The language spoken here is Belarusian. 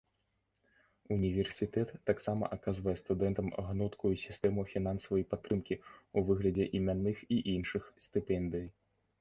Універсітэт таксама аказвае студэнтам гнуткую сістэму фінансавай падтрымкі ў выглядзе імянных і іншых стыпендый.